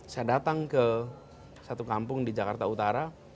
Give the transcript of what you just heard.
saya datang ke satu kampung di jakarta utara